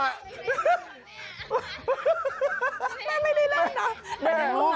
แม่ไม่ได้เล่นนะ